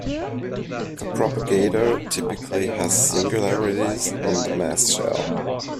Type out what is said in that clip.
The propagator typically has singularities on the mass shell.